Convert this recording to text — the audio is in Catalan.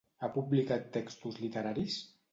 Ha publicat textos literaris?